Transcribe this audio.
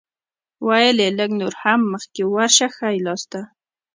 ویل یې لږ نور هم مخکې ورشه ښی لاسته.